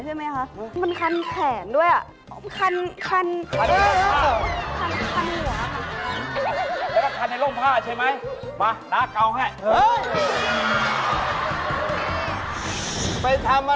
ทำไมนี่คะชาตินี่หนูมีปัญหา